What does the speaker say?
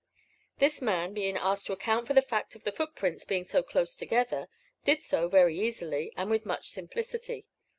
This man being asked to account for the fact of the footprints being so close together, did so very easily, and with much simplicity.